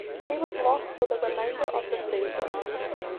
He was lost for the remainder of the season.